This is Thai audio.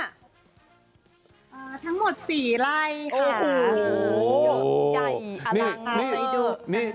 ทั้งหมดสี่ไร่ค่ะ